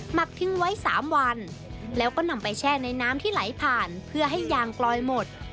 หักทิ้งไว้๓วันแล้วก็นำไปแช่ในน้ำที่ไหลผ่านเพื่อให้ยางกลอยหมด